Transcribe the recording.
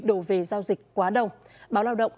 đổ về giao dịch quá đông báo lao động